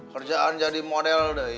kerjaan jadi model deh